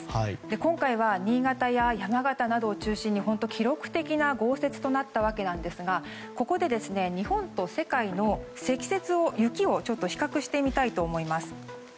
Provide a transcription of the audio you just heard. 今回は、新潟や山形などを中心に記録的な豪雪となったわけですがここで日本と世界の積雪、雪を比較してみたいと思います。